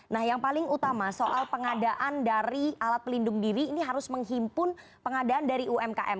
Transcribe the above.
nah yang paling utama soal pengadaan dari alat pelindung diri ini harus menghimpun pengadaan dari umkm